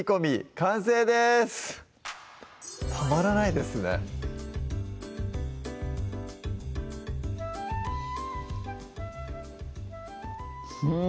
完成ですたまらないですねうん！